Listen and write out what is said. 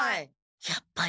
やっぱり。